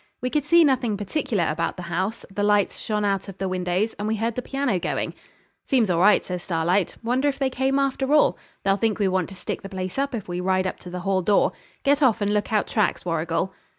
We could see nothing particular about the house. The lights shone out of the windows, and we heard the piano going. 'Seems all right,' says Starlight. 'Wonder if they came, after all? They'll think we want to stick the place up if we ride up to the hall door. Get off and look out tracks, Warrigal.'